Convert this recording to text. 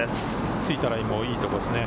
ついたラインもいいところですね。